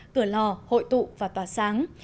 cửa lò hội tụ và tòa sáng